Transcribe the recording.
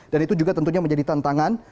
dan itu juga tentunya menjadi tantangan